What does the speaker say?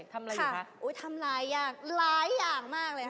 ทำอะไรอยู่คะอุ้ยทำลายยากหลายอย่างมากเลยค่ะ